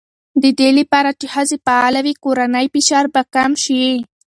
د دې لپاره چې ښځې فعاله وي، کورنی فشار به کم شي.